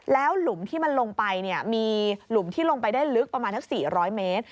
แล้วหลุมที่มันลงไปมีหลุมที่ลงไปได้ลึกประมาณสัก๔๐๐เมตร